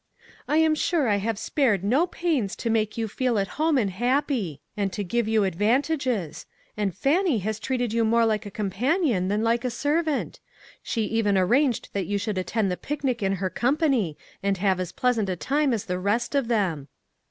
" I am sure I have spared no pains to make you feel at home and happy ; and to give you advantages ; and Fannie has treated you more like a companion than like a servant. She even arranged that you should attend the picnic in her company, and have as pleasant a time as the rest of them."